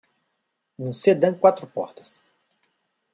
Um sedã quatro portas.